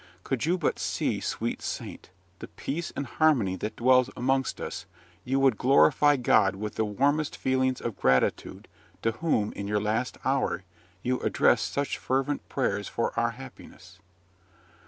Could you but see, sweet saint! the peace and harmony that dwells amongst us, you would glorify God with the warmest feelings of gratitude, to whom, in your last hour, you addressed such fervent prayers for our happiness.'"